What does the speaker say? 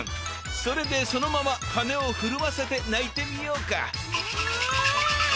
それでそのまま羽をふるわせて鳴いてみようか。